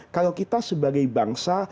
kalau kita sebagai bangsa